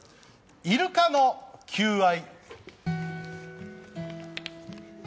イルカの求愛。